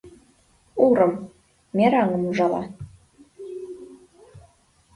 Урым, мераҥым ужала